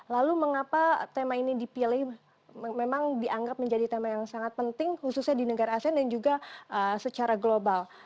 lalu mengapa tema ini dipilih memang dianggap menjadi tema yang sangat penting khususnya di negara asean dan juga secara global